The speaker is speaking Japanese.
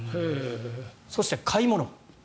そして買い物。